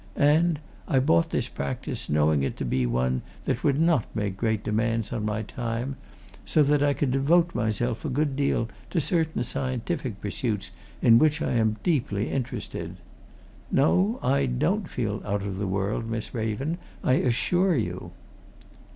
And I bought this practice, knowing it to be one that would not make great demands on my time, so that I could devote myself a good deal to certain scientific pursuits in which I am deeply interested. No! I don't feel out of the world, Miss Raven, I assure you."